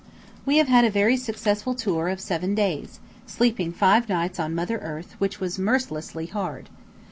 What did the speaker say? We have had a very successful tour of seven days, sleeping five nights on Mother Earth, which was mercilessly hard.